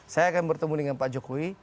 saya akan bertemu dengan pak jokowi